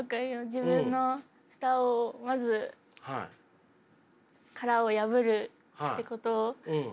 自分の蓋をまず殻を破るってこと。